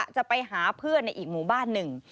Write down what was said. จะไปหาเพื่อนในอีกหมู่บ้านหนึ่ง